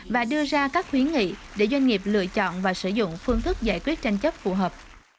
và đưa ra các khuyến nghị để doanh nghiệp lựa chọn và sử dụng phương thức giải quyết tranh chấp phù hợp